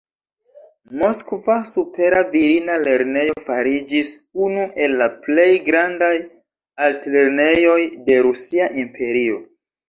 Moskva supera virina lernejo fariĝis unu el la plej grandaj altlernejoj de Rusia Imperio.